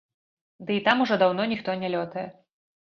Ды і там ужо даўно ніхто не лётае.